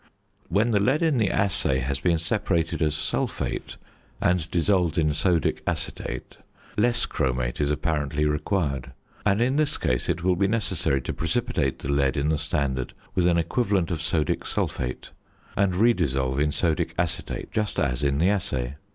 When the lead in the assay has been separated as sulphate and dissolved in sodic acetate, less chromate is apparently required, and in this case it will be necessary to precipitate the lead in the standard with an equivalent of sodic sulphate and redissolve in sodic acetate just as in the assay.